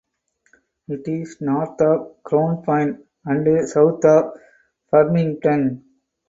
It is north of Crownpoint and south of Farmington.